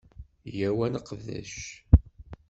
Yyaw ad neqdec!